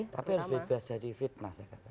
tapi harus bebas dari fitnah saya katakan